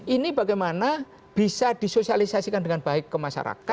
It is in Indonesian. ini bagaimana bisa disosialisasikan dengan baik ke masyarakat